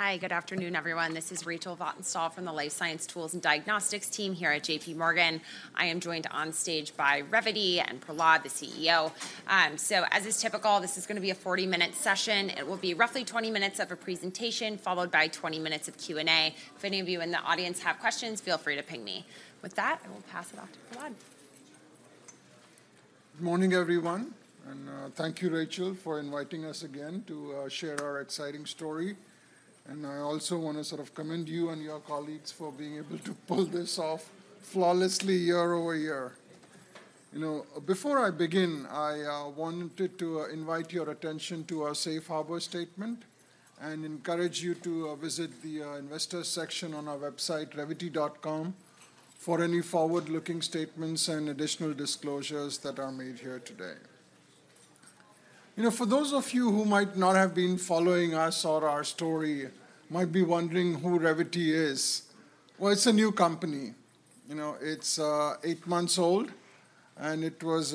Hi, good afternoon, everyone. This is Rachel Vatnsdal from the Life Science Tools and Diagnostics team here at JPMorgan. I am joined on stage by Revvity and Prahlad, the CEO. So as is typical, this is gonna be a 40-minute session. It will be roughly 20 minutes of a presentation, followed by 20 minutes of Q&A. If any of you in the audience have questions, feel free to ping me. With that, I will pass it off to Prahlad. Good morning, everyone, and thank you, Rachel, for inviting us again to share our exciting story. I also want to sort of commend you and your colleagues for being able to pull this off flawlessly year over year. You know, before I begin, I wanted to invite your attention to our safe harbor statement and encourage you to visit the investor section on our website, Revvity.com, for any forward-looking statements and additional disclosures that are made here today. You know, for those of you who might not have been following us or our story, might be wondering who Revvity is. Well, it's a new company. You know, it's 8 months old, and it was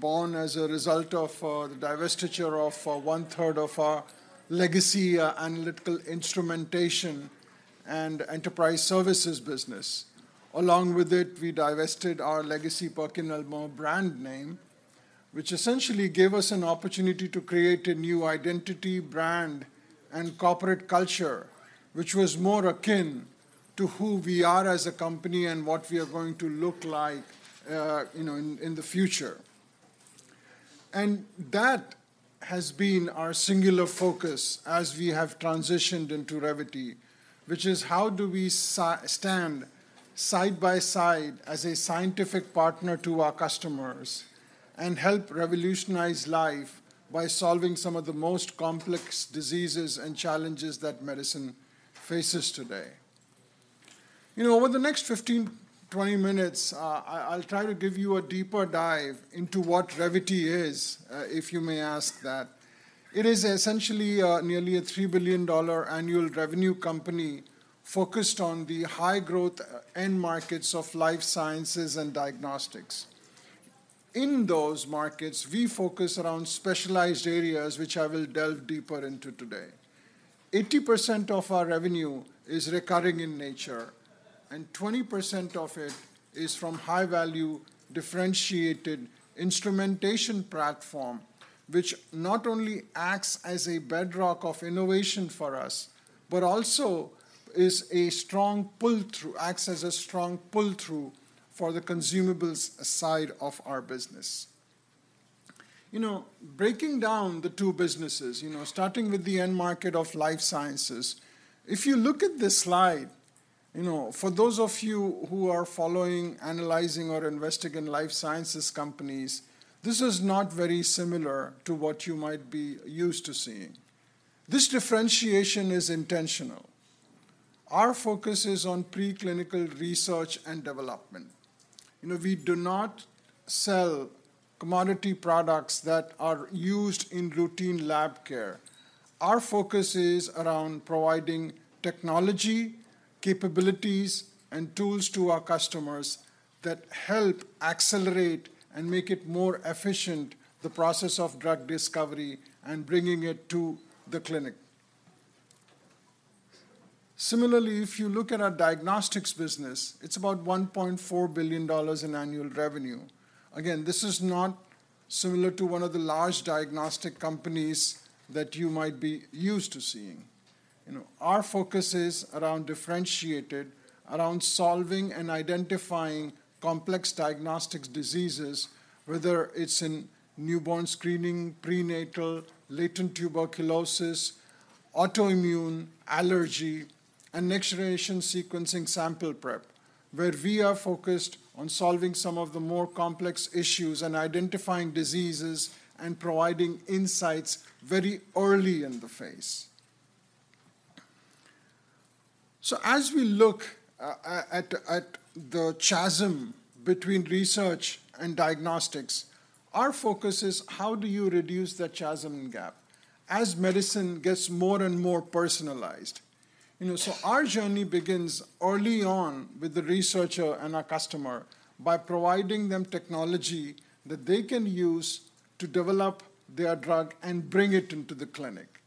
born as a result of the divestiture of one-third of our legacy analytical instrumentation and enterprise services business. Along with it, we divested our legacy PerkinElmer brand name, which essentially gave us an opportunity to create a new identity, brand, and corporate culture, which was more akin to who we are as a company and what we are going to look like, you know, in the future. That has been our singular focus as we have transitioned into Revvity, which is: How do we stand side by side as a scientific partner to our customers and help revolutionize life by solving some of the most complex diseases and challenges that medicine faces today? You know, over the next 15, 20 minutes, I'll try to give you a deeper dive into what Revvity is, if you may ask that. It is essentially, nearly a $3 billion annual revenue company focused on the high-growth, end markets of life sciences and diagnostics. In those markets, we focus around specialized areas, which I will delve deeper into today. 80% of our revenue is recurring in nature, and 20% of it is from high-value, differentiated instrumentation platform, which not only acts as a bedrock of innovation for us, but also is a strong pull-through, acts as a strong pull-through for the consumables side of our business. You know, breaking down the two businesses, you know, starting with the end market of life sciences, if you look at this slide, you know, for those of you who are following, analyzing, or investing in life sciences companies, this is not very similar to what you might be used to seeing. This differentiation is intentional. Our focus is on preclinical research and development. You know, we do not sell commodity products that are used in routine lab care. Our focus is around providing technology, capabilities, and tools to our customers that help accelerate and make it more efficient, the process of drug discovery and bringing it to the clinic. Similarly, if you look at our diagnostics business, it's about $1.4 billion in annual revenue. Again, this is not similar to one of the large diagnostic companies that you might be used to seeing. You know, our focus is around differentiated, around solving and identifying complex diagnostics diseases, whether it's in newborn screening, prenatal, latent tuberculosis, autoimmune, allergy, and next-generation sequencing sample prep, where we are focused on solving some of the more complex issues and identifying diseases and providing insights very early in the phase. So as we look at the chasm between research and diagnostics, our focus is: How do you reduce the chasm and gap as medicine gets more and more personalized? You know, so our journey begins early on with the researcher and our customer by providing them technology that they can use to develop their drug and bring it into the clinic.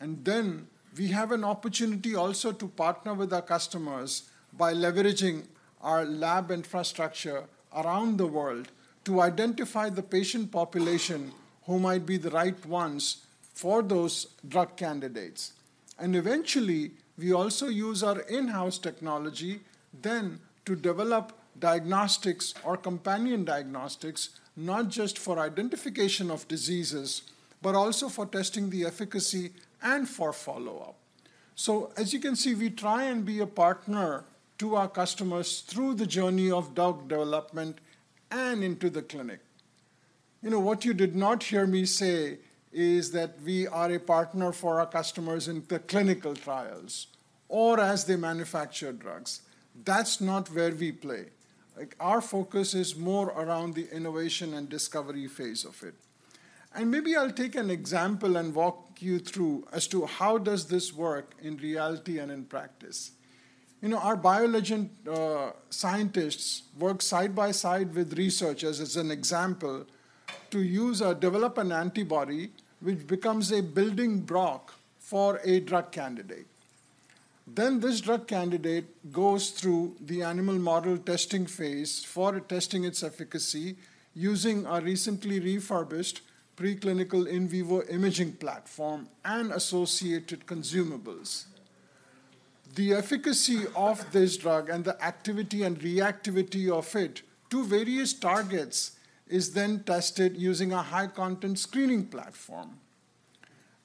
And then we have an opportunity also to partner with our customers by leveraging our lab infrastructure around the world to identify the patient population who might be the right ones for those drug candidates. And eventually, we also use our in-house technology then to develop diagnostics or companion diagnostics, not just for identification of diseases, but also for testing the efficacy and for follow-up. So as you can see, we try and be a partner to our customers through the journey of drug development and into the clinic. You know, what you did not hear me say is that we are a partner for our customers in the clinical trials or as they manufacture drugs. That's not where we play. Like, our focus is more around the innovation and discovery phase of it. And maybe I'll take an example and walk you through as to how does this work in reality and in practice. You know, our BioLegend scientists work side by side with researchers, as an example, to use or develop an antibody, which becomes a building block for a drug candidate. Then this drug candidate goes through the animal model testing phase for testing its efficacy, using our recently refurbished preclinical in vivo imaging platform and associated consumables. The efficacy of this drug and the activity and reactivity of it to various targets is then tested using a high-content screening platform.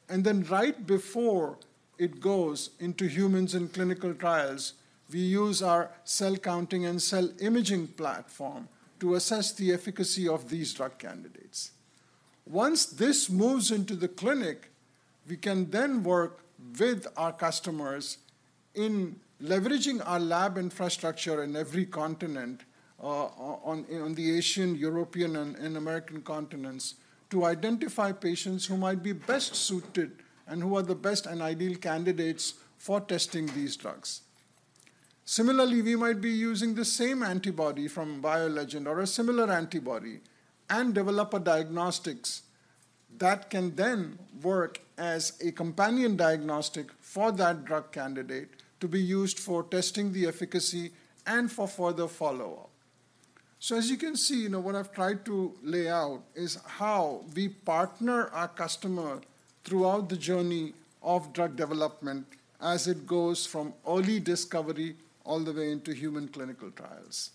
Then right before it goes into humans in clinical trials, we use our cell counting and cell imaging platform to assess the efficacy of these drug candidates. Once this moves into the clinic, we can then work with our customers in leveraging our lab infrastructure in every continent, on the Asian, European, and American continents, to identify patients who might be best suited and who are the best and ideal candidates for testing these drugs. Similarly, we might be using the same antibody from BioLegend or a similar antibody, and develop a diagnostics that can then work as a companion diagnostic for that drug candidate to be used for testing the efficacy and for further follow-up. So as you can see, you know, what I've tried to lay out is how we partner our customer throughout the journey of drug development as it goes from early discovery all the way into human clinical trials.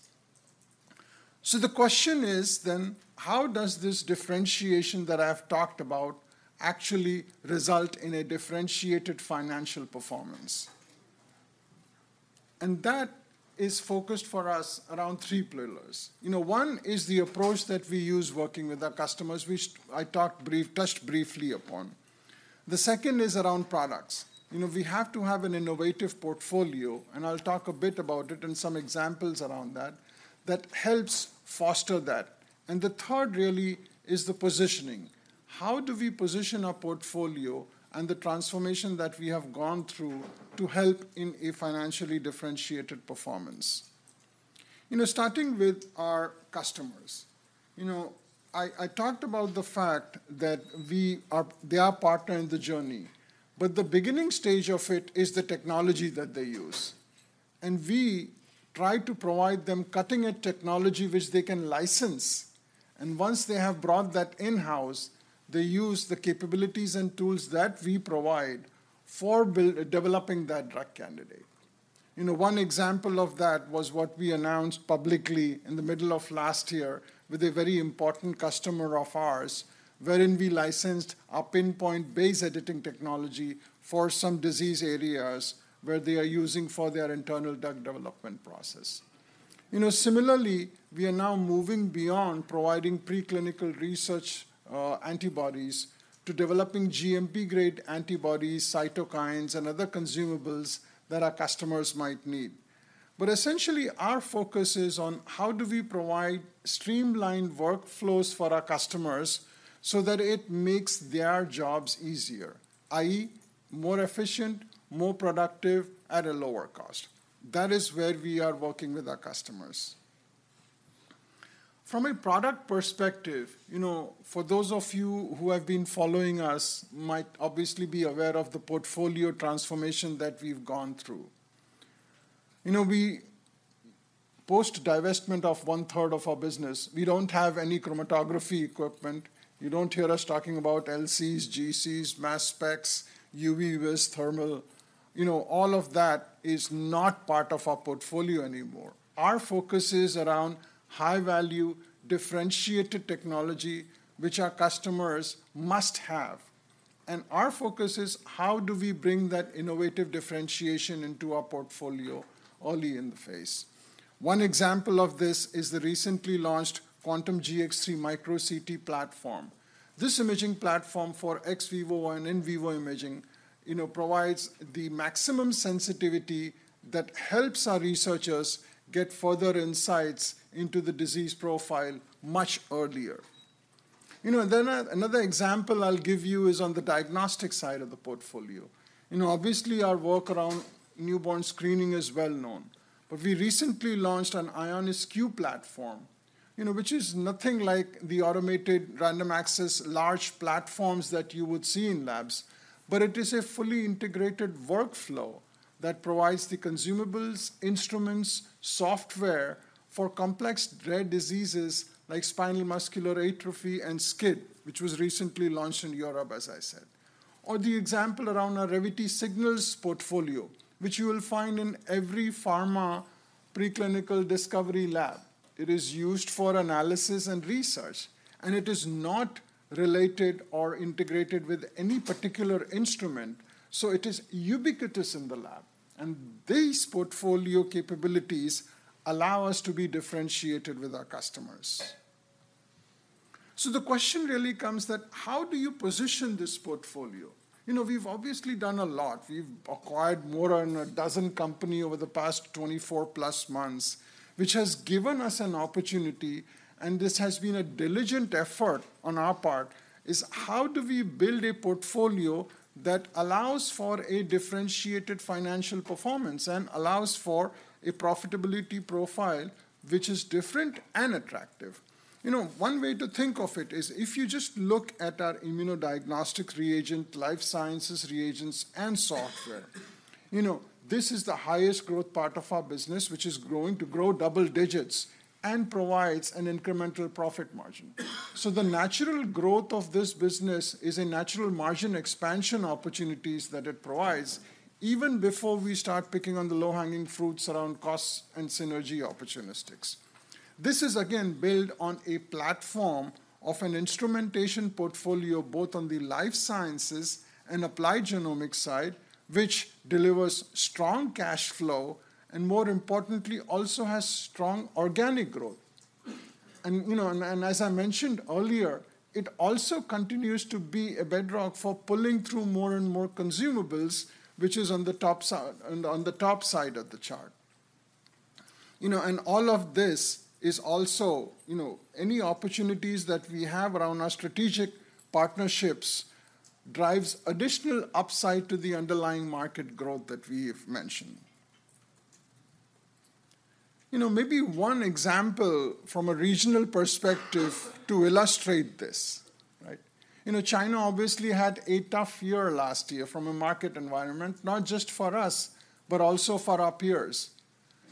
So the question is then: how does this differentiation that I've talked about actually result in a differentiated financial performance? And that is focused for us around three pillars. You know, one is the approach that we use working with our customers, which I touched briefly upon. The second is around products. You know, we have to have an innovative portfolio, and I'll talk a bit about it and some examples around that, that helps foster that. And the third really is the positioning. How do we position our portfolio and the transformation that we have gone through to help in a financially differentiated performance? You know, starting with our customers, you know, I, I talked about the fact that we are... they are partnering the journey, but the beginning stage of it is the technology that they use. And we try to provide them cutting-edge technology which they can license, and once they have brought that in-house, they use the capabilities and tools that we provide for developing that drug candidate. You know, one example of that was what we announced publicly in the middle of last year with a very important customer of ours, wherein we licensed our Pin-point Base Editing technology for some disease areas where they are using for their internal drug development process. You know, similarly, we are now moving beyond providing preclinical research antibodies to developing GMP-grade antibodies, cytokines, and other consumables that our customers might need. But essentially, our focus is on: how do we provide streamlined workflows for our customers so that it makes their jobs easier, i.e., more efficient, more productive, at a lower cost? That is where we are working with our customers. From a product perspective, you know, for those of you who have been following us, might obviously be aware of the portfolio transformation that we've gone through. You know, we, post-divestment of one-third of our business, we don't have any chromatography equipment. You don't hear us talking about LCs, GCs, mass specs, UV-Vis, thermal. You know, all of that is not part of our portfolio anymore. Our focus is around high-value, differentiated technology which our customers must have, and our focus is: how do we bring that innovative differentiation into our portfolio early in the phase? One example of this is the recently launched Quantum GX2 micro CT platform. This imaging platform for ex vivo and in vivo imaging, you know, provides the maximum sensitivity that helps our researchers get further insights into the disease profile much earlier. You know, and then, another example I'll give you is on the diagnostic side of the portfolio. You know, obviously, our work around newborn screening is well known, but we recently launched an EONIS Q platform, you know, which is nothing like the automated random-access large platforms that you would see in labs, but it is a fully integrated workflow that provides the consumables, instruments, software for complex rare diseases like spinal muscular atrophy and SCID, which was recently launched in Europe, as I said. Or the example around our Revvity Signals portfolio, which you will find in every pharma preclinical discovery lab. It is used for analysis and research, and it is not related or integrated with any particular instrument, so it is ubiquitous in the lab, and these portfolio capabilities allow us to be differentiated with our customers. So the question really comes that: how do you position this portfolio? You know, we've obviously done a lot. We've acquired more than a dozen company over the past 24+ months, which has given us an opportunity, and this has been a diligent effort on our part, is: how do we build a portfolio that allows for a differentiated financial performance and allows for a profitability profile which is different and attractive? You know, one way to think of it is if you just look at our immunodiagnostic reagent, life sciences reagents, and software-... You know, this is the highest growth part of our business, which is growing to grow double digits and provides an incremental profit margin. So the natural growth of this business is a natural margin expansion opportunities that it provides, even before we start picking on the low-hanging fruits around costs and synergy opportunistics. This is again, built on a platform of an instrumentation portfolio, both on the life sciences and Applied Genomics side, which delivers strong cash flow, and more importantly, also has strong organic growth. And, you know, as I mentioned earlier, it also continues to be a bedrock for pulling through more and more consumables, which is on the top side of the chart. You know, and all of this is also, you know, any opportunities that we have around our strategic partnerships drives additional upside to the underlying market growth that we've mentioned. You know, maybe one example from a regional perspective to illustrate this, right? You know, China obviously had a tough year last year from a market environment, not just for us, but also for our peers.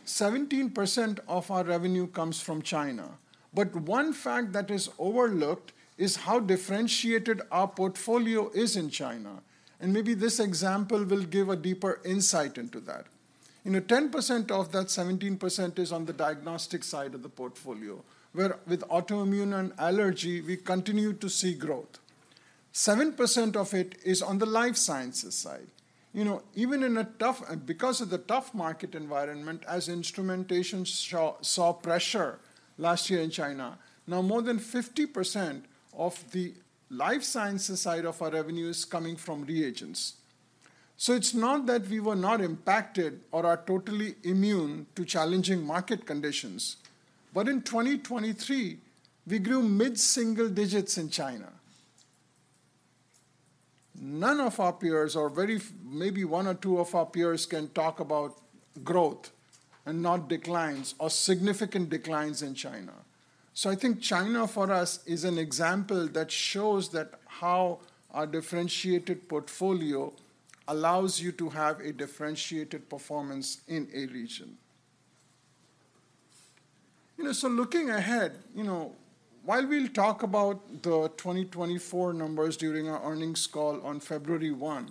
17% of our revenue comes from China. But one fact that is overlooked is how differentiated our portfolio is in China, and maybe this example will give a deeper insight into that. You know, 10% of that 17% is on the diagnostic side of the portfolio, where with autoimmune and allergy, we continue to see growth. 7% of it is on the life sciences side. You know, even in a tough market environment, as instrumentation saw pressure last year in China, now more than 50% of the life sciences side of our revenue is coming from reagents. So it's not that we were not impacted or are totally immune to challenging market conditions, but in 2023, we grew mid-single digits in China. None of our peers or maybe one or two of our peers can talk about growth and not declines or significant declines in China. So I think China, for us, is an example that shows that how our differentiated portfolio allows you to have a differentiated performance in a region. You know, so looking ahead, you know, while we'll talk about the 2024 numbers during our earnings call on February 1,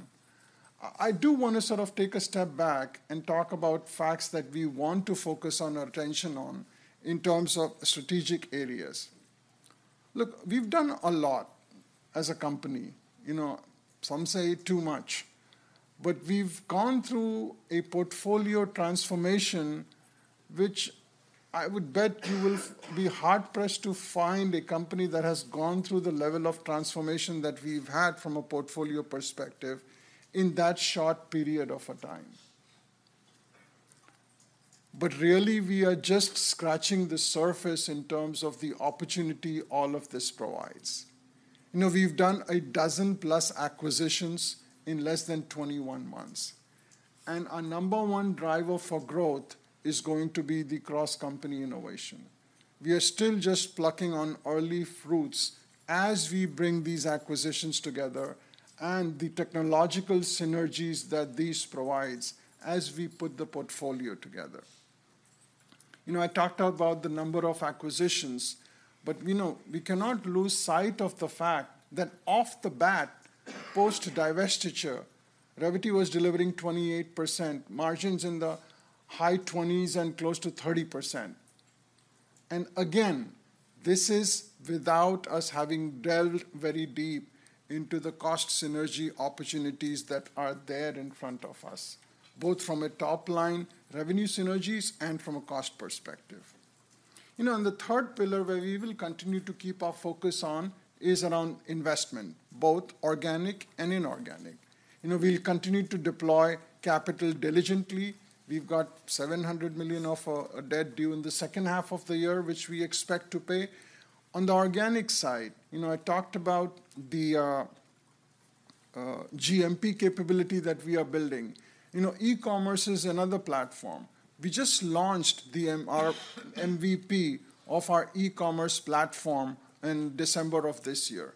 I do wanna sort of take a step back and talk about facts that we want to focus our attention on in terms of strategic areas. Look, we've done a lot as a company. You know, some say too much, but we've gone through a portfolio transformation, which I would bet you will be hard-pressed to find a company that has gone through the level of transformation that we've had from a portfolio perspective in that short period of time. But really, we are just scratching the surface in terms of the opportunity all of this provides. You know, we've done a dozen plus acquisitions in less than 21 months, and our number one driver for growth is going to be the cross-company innovation. We are still just plucking on early fruits as we bring these acquisitions together and the technological synergies that these provides as we put the portfolio together. You know, I talked about the number of acquisitions, but, you know, we cannot lose sight of the fact that off the bat, post-divestiture, Revvity was delivering 28% margins in the high 20s and close to 30%. And again, this is without us having delved very deep into the cost synergy opportunities that are there in front of us, both from a top-line revenue synergies and from a cost perspective. You know, and the third pillar where we will continue to keep our focus on is around investment, both organic and inorganic. You know, we'll continue to deploy capital diligently. We've got $700 million of debt due in the second half of the year, which we expect to pay. On the organic side, you know, I talked about the GMP capability that we are building. You know, e-commerce is another platform. We just launched the MR-MVP of our e-commerce platform in December of this year.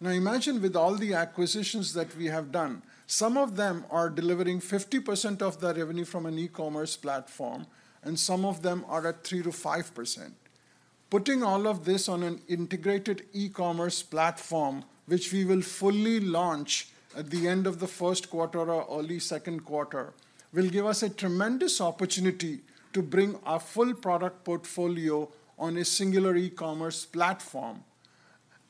Now, imagine with all the acquisitions that we have done, some of them are delivering 50% of their revenue from an e-commerce platform, and some of them are at 3%-5%. Putting all of this on an integrated e-commerce platform, which we will fully launch at the end of the first quarter or early second quarter, will give us a tremendous opportunity to bring our full product portfolio on a singular e-commerce platform.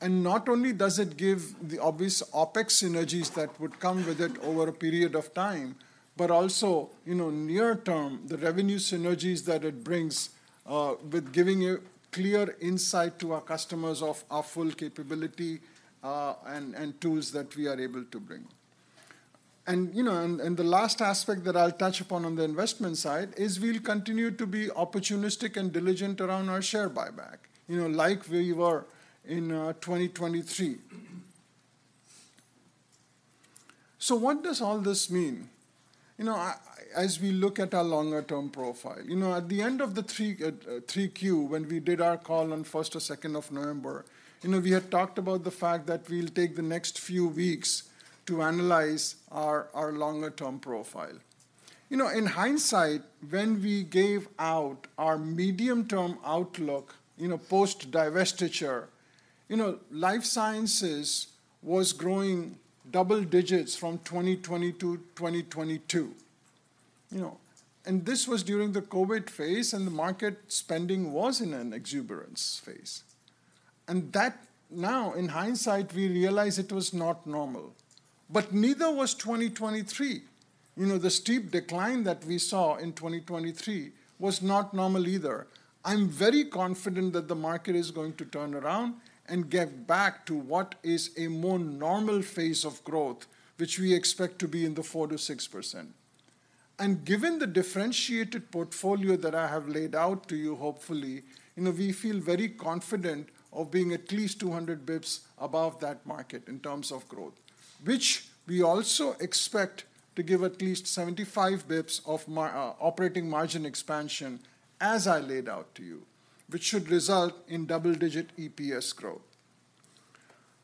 Not only does it give the obvious OpEx synergies that would come with it over a period of time, but also, you know, near term, the revenue synergies that it brings, with giving a clear insight to our customers of our full capability, and tools that we are able to bring. And, you know, and the last aspect that I'll touch upon on the investment side is we'll continue to be opportunistic and diligent around our share buyback, you know, like we were in 2023. So what does all this mean? You know, as we look at our longer-term profile, you know, at the end of Q3, when we did our call on first or second of November, you know, we had talked about the fact that we'll take the next few weeks to analyze our longer-term profile. You know, in hindsight, when we gave out our medium-term outlook, you know, post-divestiture, you know, life sciences was growing double digits from 2020 to 2022. You know, and this was during the COVID phase, and the market spending was in an exuberance phase. And that now, in hindsight, we realize it was not normal, but neither was 2023. You know, the steep decline that we saw in 2023 was not normal either. I'm very confident that the market is going to turn around and get back to what is a more normal phase of growth, which we expect to be in the 4%-6%. And given the differentiated portfolio that I have laid out to you, hopefully, you know, we feel very confident of being at least 200 basis points above that market in terms of growth, which we also expect to give at least 75 basis points of margin operating margin expansion, as I laid out to you, which should result in double-digit EPS growth.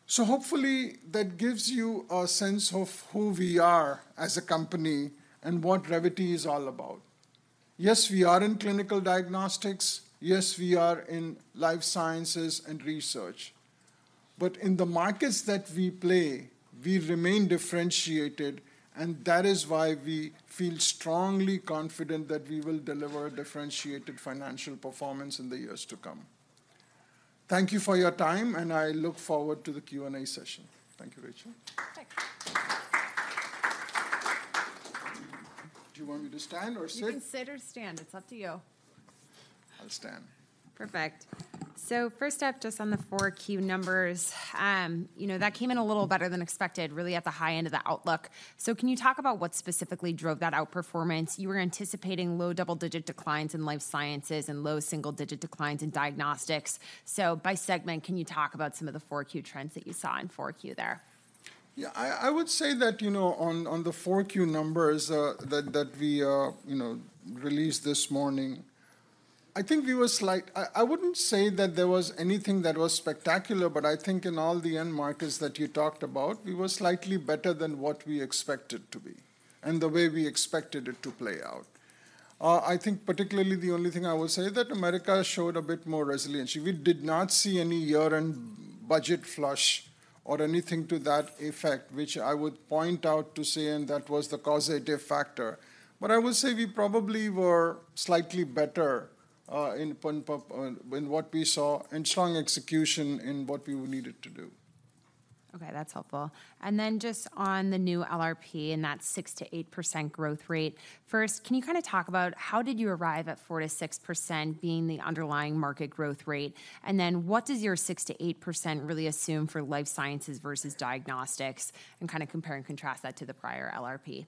So hopefully, that gives you a sense of who we are as a company and what Revvity is all about. Yes, we are in clinical diagnostics. Yes, we are in life sciences and research. But in the markets that we play, we remain differentiated, and that is why we feel strongly confident that we will deliver differentiated financial performance in the years to come. Thank you for your time, and I look forward to the Q&A session. Thank you, Rachel. Thanks. Do you want me to stand or sit? You can sit or stand. It's up to you. I'll stand. Perfect. So first up, just on the 4Q numbers, you know, that came in a little better than expected, really at the high end of the outlook. So can you talk about what specifically drove that outperformance? You were anticipating low double-digit declines in life sciences and low single-digit declines in diagnostics. So by segment, can you talk about some of the 4Q trends that you saw in 4Q there? Yeah, I would say that, you know, on the 4Q numbers that we, you know, released this morning, I think we were—I wouldn't say that there was anything that was spectacular, but I think in all the end markets that you talked about, we were slightly better than what we expected to be and the way we expected it to play out. I think particularly the only thing I will say, that America showed a bit more resiliency. We did not see any year-end budget flush or anything to that effect, which I would point out to say, and that was the causative factor. But I would say we probably were slightly better in pharma, non-pharma in what we saw and strong execution in what we needed to do. Okay, that's helpful. And then just on the new LRP and that 6%-8% growth rate, first, can you kinda talk about how did you arrive at 4%-6% being the underlying market growth rate? And then what does your 6%-8% really assume for life sciences versus diagnostics, and kinda compare and contrast that to the prior LRP?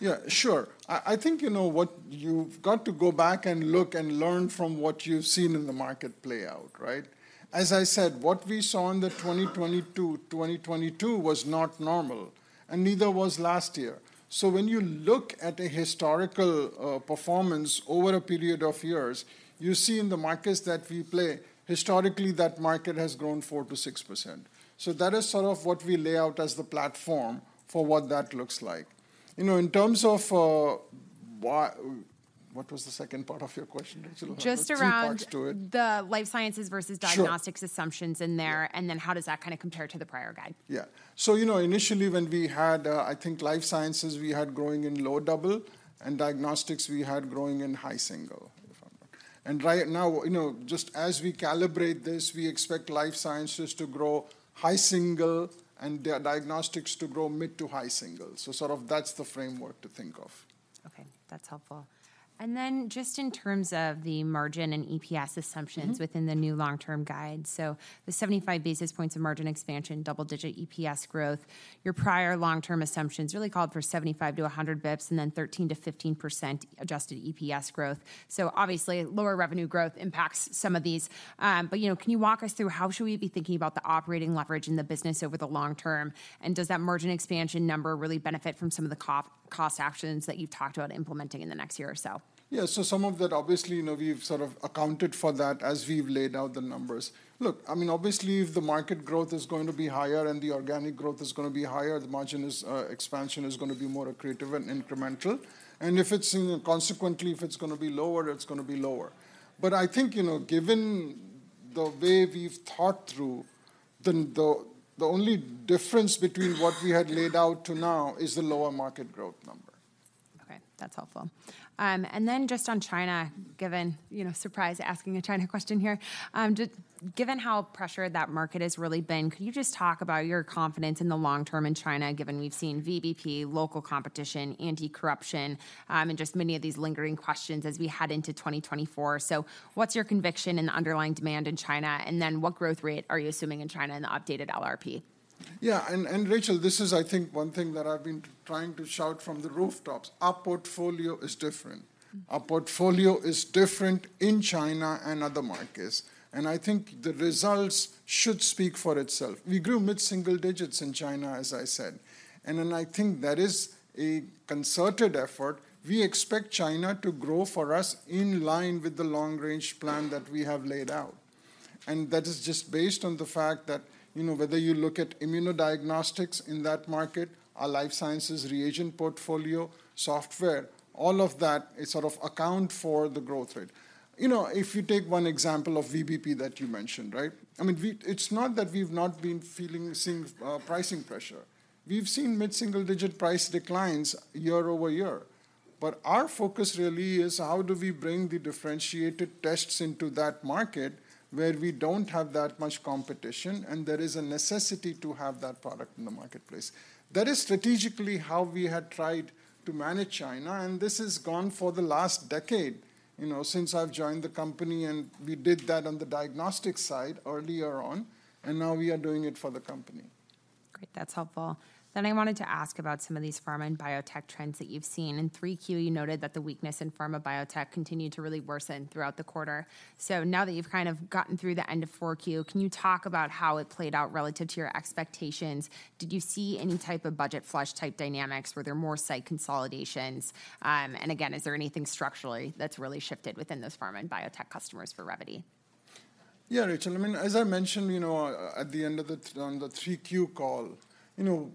Yeah, sure. I think you know what—you've got to go back and look and learn from what you've seen in the market play out, right? As I said, what we saw in the 2020 to 2022 was not normal, and neither was last year. So when you look at a historical performance over a period of years, you see in the markets that we play, historically, that market has grown 4%-6%. So that is sort of what we lay out as the platform for what that looks like. You know, in terms of, why... What was the second part of your question, Rachel? Just around- There were two parts to it. The life sciences versus- Sure... diagnostics assumptions in there. Yeah. And then how does that kinda compare to the prior guide? Yeah. So, you know, initially when we had, I think, life sciences, we had growing in low double, and diagnostics, we had growing in high single. And right now, you know, just as we calibrate this, we expect life sciences to grow high single and diagnostics to grow mid to high single. So sort of that's the framework to think of. Okay, that's helpful. And then just in terms of the margin and EPS assumptions- Mm-hmm... within the new long-term guide, so the 75 basis points of margin expansion, double-digit EPS growth, your prior long-term assumptions really called for 75-100 bips and then 13%-15% adjusted EPS growth. So obviously, lower revenue growth impacts some of these. But, you know, can you walk us through how should we be thinking about the operating leverage in the business over the long term? And does that margin expansion number really benefit from some of the cost actions that you've talked about implementing in the next year or so? Yeah. So some of that, obviously, you know, we've sort of accounted for that as we've laid out the numbers. Look, I mean, obviously, if the market growth is going to be higher and the organic growth is gonna be higher, the margin expansion is gonna be more accretive and incremental. And consequently, if it's gonna be lower, it's gonna be lower. But I think, you know, given the way we've thought through, then the only difference between what we had laid out to now is the lower market growth number. Okay, that's helpful. And then just on China, given, you know, surprise asking a China question here, just given how pressured that market has really been, could you just talk about your confidence in the long term in China, given we've seen VBP, local competition, anti-corruption, and just many of these lingering questions as we head into 2024? So what's your conviction in the underlying demand in China, and then what growth rate are you assuming in China in the updated LRP? Yeah, and Rachel, this is, I think, one thing that I've been trying to shout from the rooftops: Our portfolio is different. Mm. Our portfolio is different in China and other markets, and I think the results should speak for itself. We grew mid-single digits in China, as I said, and then I think that is a concerted effort. We expect China to grow for us in line with the long-range plan that we have laid out... and that is just based on the fact that, you know, whether you look at immunodiagnostics in that market, our life sciences reagent portfolio, software, all of that is sort of account for the growth rate. You know, if you take one example of VBP that you mentioned, right? I mean, we, it's not that we've not been feeling, seeing, pricing pressure. We've seen mid-single-digit price declines year-over-year. But our focus really is: How do we bring the differentiated tests into that market where we don't have that much competition, and there is a necessity to have that product in the marketplace? That is strategically how we had tried to manage China, and this has gone for the last decade, you know, since I've joined the company, and we did that on the diagnostics side earlier on, and now we are doing it for the company. Great, that's helpful. Then I wanted to ask about some of these pharma and biotech trends that you've seen. In 3Q, you noted that the weakness in pharma biotech continued to really worsen throughout the quarter. So now that you've kind of gotten through the end of 4Q, can you talk about how it played out relative to your expectations? Did you see any type of budget flush-type dynamics? Were there more site consolidations? And again, is there anything structurally that's really shifted within those pharma and biotech customers for Revvity? Yeah, Rachel, I mean, as I mentioned, you know, at the end of the 3Q call, you know,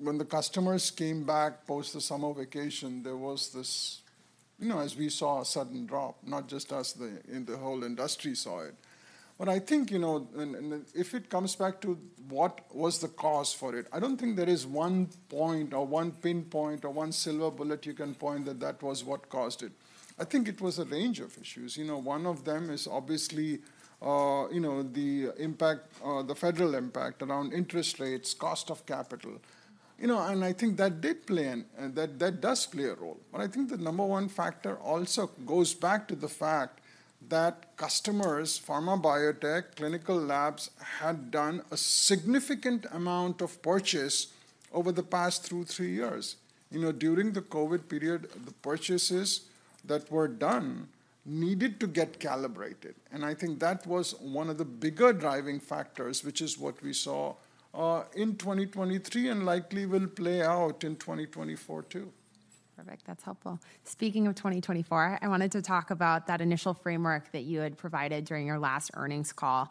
when the customers came back post the summer vacation, there was this... You know, as we saw a sudden drop, not just us, in the whole industry saw it. But I think, you know, and if it comes back to what was the cause for it, I don't think there is one point or one pinpoint or one silver bullet you can point that that was what caused it. I think it was a range of issues. You know, one of them is obviously, you know, the impact, the federal impact around interest rates, cost of capital. You know, and I think that did play a role. But I think the number one factor also goes back to the fact that customers, pharma, biotech, clinical labs, had done a significant amount of purchase over the past 2, 3 years. You know, during the COVID period, the purchases that were done needed to get calibrated, and I think that was one of the bigger driving factors, which is what we saw in 2023, and likely will play out in 2024, too. Perfect. That's helpful. Speaking of 2024, I wanted to talk about that initial framework that you had provided during your last earnings call,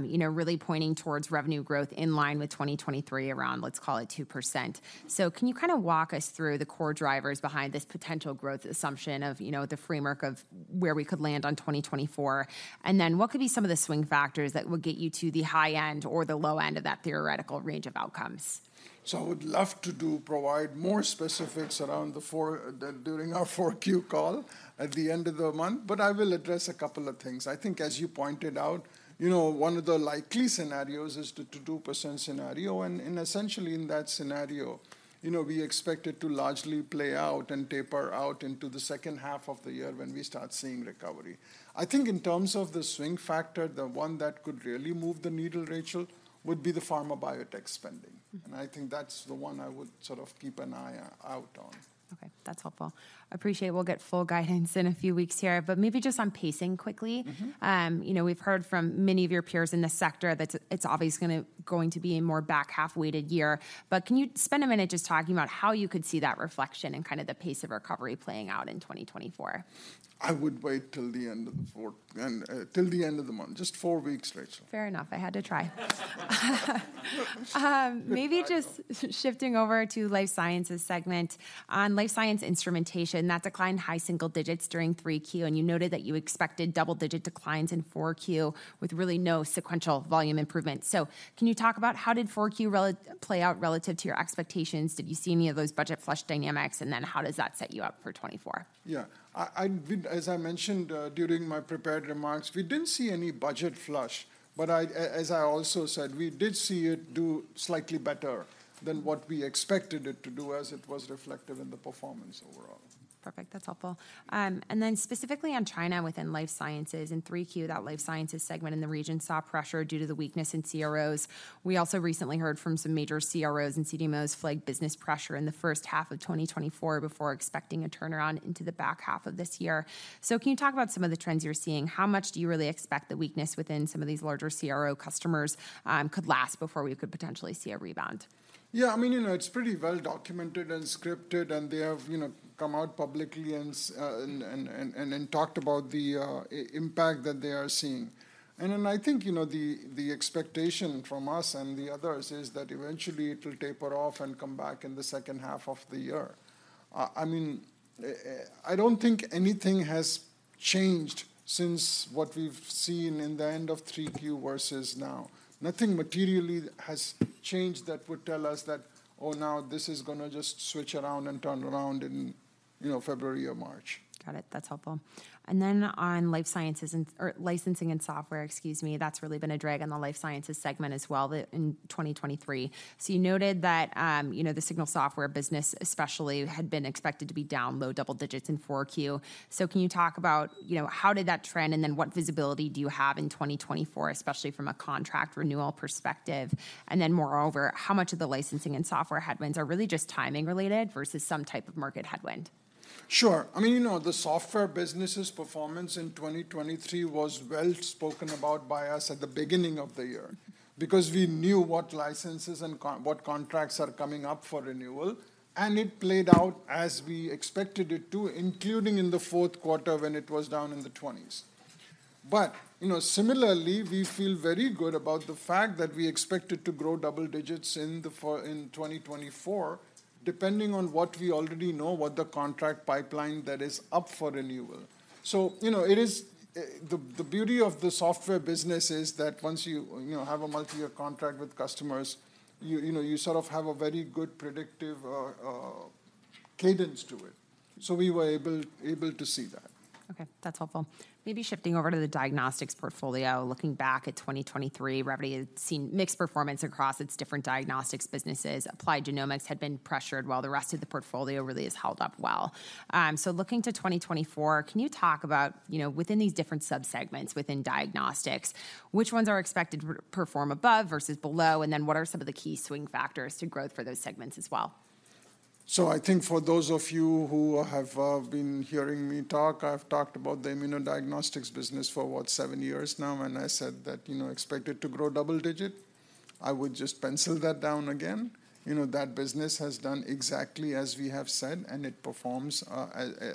you know, really pointing towards revenue growth in line with 2023 around, let's call it, 2%. So can you kind of walk us through the core drivers behind this potential growth assumption of, you know, the framework of where we could land on 2024? And then what could be some of the swing factors that would get you to the high end or the low end of that theoretical range of outcomes? So I would love to provide more specifics around the 4Q during our 4Q call at the end of the month, but I will address a couple of things. I think, as you pointed out, you know, one of the likely scenarios is the 2% scenario, and essentially in that scenario, you know, we expect it to largely play out and taper out into the second half of the year when we start seeing recovery. I think in terms of the swing factor, the one that could really move the needle, Rachel, would be the pharma biotech spending. Mm-hmm. I think that's the one I would sort of keep an eye out on. Okay. That's helpful. Appreciate we'll get full guidance in a few weeks here, but maybe just on pacing quickly- Mm-hmm.... you know, we've heard from many of your peers in the sector that it's obviously going to be a more back-half-weighted year. But can you spend a minute just talking about how you could see that reflection and kind of the pace of recovery playing out in 2024? I would wait till the end of the fourth till the end of the month. Just four weeks, Rachel. Fair enough. I had to try. Maybe just shifting over to Life Sciences segment. On life science instrumentation, that declined high single digits during 3Q, and you noted that you expected double-digit declines in 4Q, with really no sequential volume improvement. So can you talk about how did 4Q play out relative to your expectations? Did you see any of those budget flush dynamics? And then how does that set you up for 2024? Yeah. As I mentioned, during my prepared remarks, we didn't see any budget flush, but as I also said, we did see it do slightly better than what we expected it to do as it was reflective in the performance overall. Perfect, that's helpful. And then specifically on China within life sciences, in 3Q, that life sciences segment in the region saw pressure due to the weakness in CROs. We also recently heard from some major CROs and CDMOs flag business pressure in the first half of 2024 before expecting a turnaround into the back half of this year. So can you talk about some of the trends you're seeing? How much do you really expect the weakness within some of these larger CRO customers could last before we could potentially see a rebound? Yeah, I mean, you know, it's pretty well documented and scripted, and they have, you know, come out publicly and talked about the impact that they are seeing. And then I think, you know, the expectation from us and the others is that eventually it will taper off and come back in the second half of the year. I mean, I don't think anything has changed since what we've seen in the end of 3Q versus now. Nothing materially has changed that would tell us that, "Oh, now this is gonna just switch around and turn around in, you know, February or March". Got it. That's helpful. And then on life sciences and... or licensing and software, excuse me, that's really been a drag on the life sciences segment as well in 2023. So you noted that, you know, the Signals software business especially had been expected to be down low double digits in 4Q. So can you talk about, you know, how did that trend, and then what visibility do you have in 2024, especially from a contract renewal perspective? And then moreover, how much of the licensing and software headwinds are really just timing related versus some type of market headwind? Sure. I mean, you know, the software business's performance in 2023 was well spoken about by us at the beginning of the year, because we knew what licenses and what contracts are coming up for renewal, and it played out as we expected it to, including in the fourth quarter when it was down in the 20s. But, you know, similarly, we feel very good about the fact that we expected to grow double digits in 2024, depending on what we already know, what the contract pipeline that is up for renewal. So, you know, it is the beauty of the software business is that once you, you know, have a multi-year contract with customers, you, you know, you sort of have a very good predictive cadence to it. So we were able to see that. Okay, that's helpful. Maybe shifting over to the diagnostics portfolio, looking back at 2023, Revvity has seen mixed performance across its different diagnostics businesses. Applied Genomics had been pressured while the rest of the portfolio really has held up well. So looking to 2024, can you talk about, you know, within these different sub-segments within diagnostics, which ones are expected to perform above versus below? And then what are some of the key swing factors to growth for those segments as well? So I think for those of you who have been hearing me talk, I've talked about the immunodiagnostics business for, what, seven years now, and I said that, you know, expect it to grow double-digit. I would just pencil that down again. You know, that business has done exactly as we have said, and it performs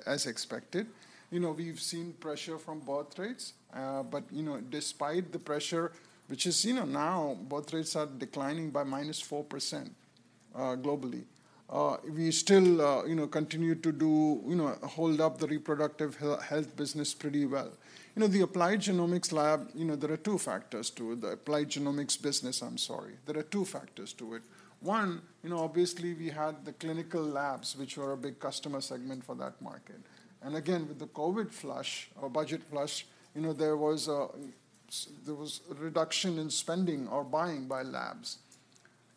as expected. You know, we've seen pressure from birth rates, but, you know, despite the pressure, which is, you know, now, birth rates are declining by -4%, globally. We still, you know, continue to do, you know, hold up the reproductive health business pretty well. You know, the Applied Genomics lab, you know, there are two factors to it. The Applied Genomics business, I'm sorry. There are two factors to it. One, you know, obviously we had the clinical labs, which were a big customer segment for that market. And again, with the COVID flush or budget flush, you know, there was a reduction in spending or buying by labs.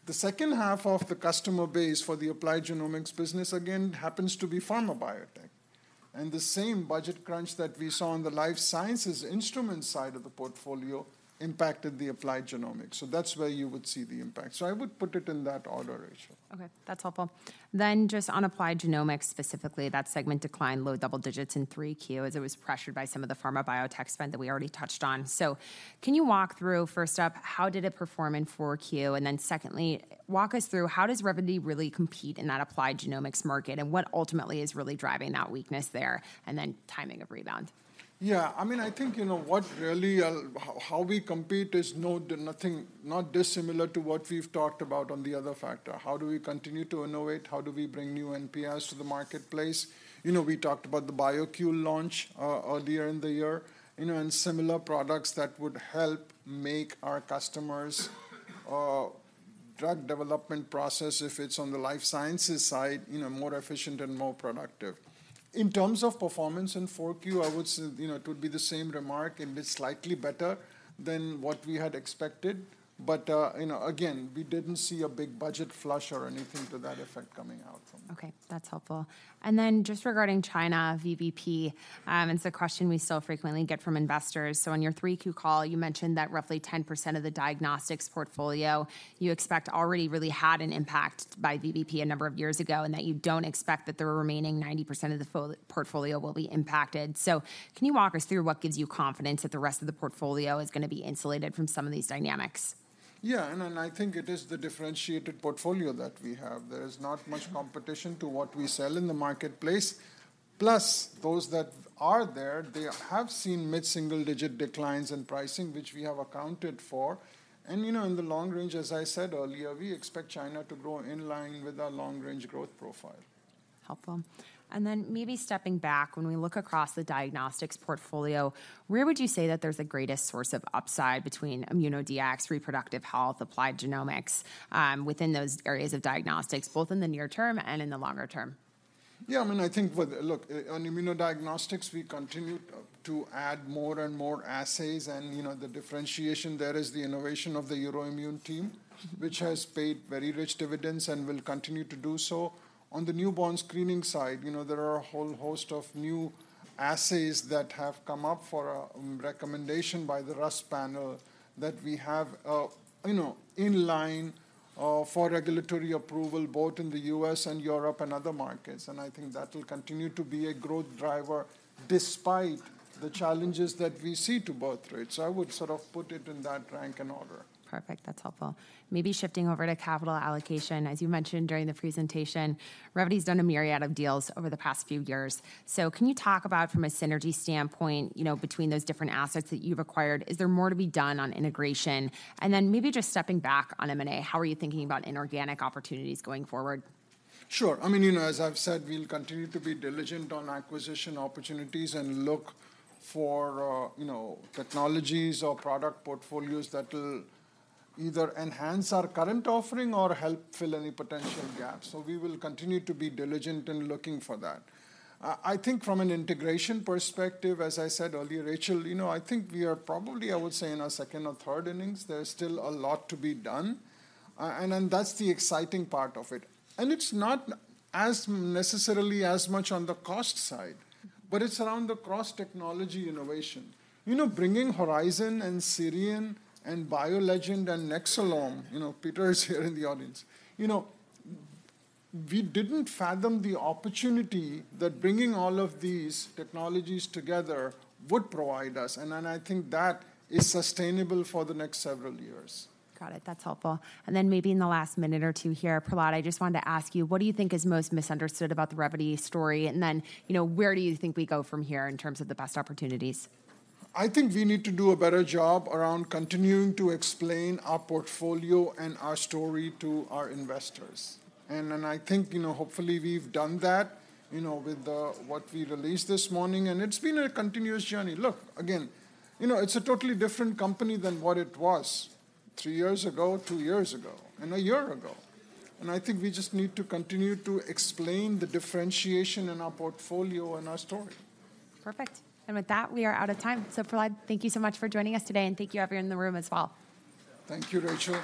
The second half of the customer base for the Applied Genomics business again, happens to be pharma biotech, and the same budget crunch that we saw on the life sciences instrument side of the portfolio impacted the Applied Genomics. So that's where you would see the impact. So I would put it in that order, Rachel. Okay, that's helpful. Then just on Applied Genomics, specifically, that segment declined low double digits in 3Q, as it was pressured by some of the pharma biotech spend that we already touched on. So can you walk through, first up, how did it perform in 4Q? And then secondly, walk us through how does Revvity really compete in that Applied Genomics market, and what ultimately is really driving that weakness there, and then timing of rebound? Yeah, I mean, I think, you know, what really... how we compete is not dissimilar to what we've talked about on the other factor. How do we continue to innovate? How do we bring new NPS to the marketplace? You know, we talked about the BioQule launch earlier in the year, you know, and similar products that would help make our customers' drug development process, if it's on the life sciences side, you know, more efficient and more productive. In terms of performance in 4Q, I would say, you know, it would be the same remark; it is slightly better than what we had expected, but, you know, again, we didn't see a big budget flush or anything to that effect coming out, so. Okay, that's helpful. And then just regarding China, VBP, it's a question we so frequently get from investors. So on your 3Q call, you mentioned that roughly 10% of the diagnostics portfolio you expect already really had an impact by VBP a number of years ago, and that you don't expect that the remaining 90% of the portfolio will be impacted. So can you walk us through what gives you confidence that the rest of the portfolio is gonna be insulated from some of these dynamics? Yeah, and I think it is the differentiated portfolio that we have. There is not much competition to what we sell in the marketplace. Plus, those that are there, they have seen mid-single-digit declines in pricing, which we have accounted for. And, you know, in the long range, as I said earlier, we expect China to grow in line with our long-range growth profile. Helpful. And then maybe stepping back, when we look across the diagnostics portfolio, where would you say that there's the greatest source of upside between Immunodiagnostics, reproductive health, Applied Genomics, within those areas of diagnostics, both in the near term and in the longer term? Yeah, I mean, I think with-- look, on immuno diagnostics, we continue to add more and more assays and, you know, the differentiation there is the innovation of the Euroimmun team, which has paid very rich dividends and will continue to do so. On the newborn screening side, you know, there are a whole host of new assays that have come up for recommendation by the RUSP panel that we have, you know, in line for regulatory approval, both in the U.S. and Europe and other markets. And I think that will continue to be a growth driver despite the challenges that we see to birth rates. So I would sort of put it in that rank and order. Perfect. That's helpful. Maybe shifting over to capital allocation. As you mentioned during the presentation, Revvity's done a myriad of deals over the past few years. So can you talk about from a synergy standpoint, you know, between those different assets that you've acquired, is there more to be done on integration? And then maybe just stepping back on M&A, how are you thinking about inorganic opportunities going forward? Sure. I mean, you know, as I've said, we'll continue to be diligent on acquisition opportunities and look for, you know, technologies or product portfolios that will either enhance our current offering or help fill any potential gaps. So we will continue to be diligent in looking for that. I think from an integration perspective, as I said earlier, Rachel, you know, I think we are probably, I would say, in our second or third innings. There's still a lot to be done, and that's the exciting part of it. And it's not as necessarily as much on the cost side, but it's around the cross-technology innovation. You know, bringing Horizon and Sirion and BioLegend and Nexcelom, you know, Peter is here in the audience. You know, we didn't fathom the opportunity that bringing all of these technologies together would provide us, and then I think that is sustainable for the next several years. Got it. That's helpful. And then maybe in the last minute or two here, Prahlad, I just wanted to ask you, what do you think is most misunderstood about the Revvity story? And then, you know, where do you think we go from here in terms of the best opportunities? I think we need to do a better job around continuing to explain our portfolio and our story to our investors. And then I think, you know, hopefully we've done that, you know, with what we released this morning, and it's been a continuous journey. Look, again, you know, it's a totally different company than what it was three years ago, two years ago, and a year ago. And I think we just need to continue to explain the differentiation in our portfolio and our story. Perfect. With that, we are out of time. Prahlad, thank you so much for joining us today, and thank you, everyone in the room as well. Thank you, Rachel.